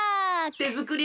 てづくり